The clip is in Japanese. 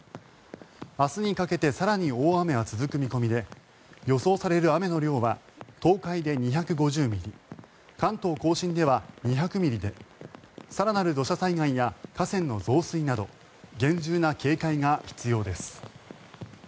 明日にかけて更に大雨は続く見込みで予想される雨の量は東海で２５０ミリ関東・甲信では２００ミリで更なる土砂災害や河川の増水など厳重な警戒が必要です。